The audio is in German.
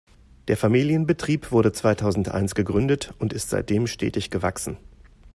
Der Familienbetrieb wurde zweitausendeins gegründet und ist seitdem stetig gewachsen.